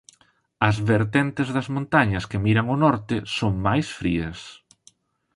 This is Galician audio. As vertentes das montañas que miran ao norte son máis frías.